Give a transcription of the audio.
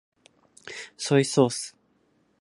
ソイソース